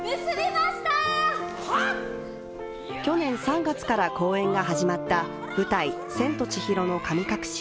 去年３月から公演が始まった舞台「千と千尋の神隠し」。